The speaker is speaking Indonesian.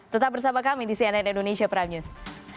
tetap bersama kami di cnn indonesia prime news